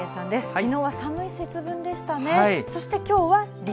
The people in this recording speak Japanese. きのうは寒い節分でしたね。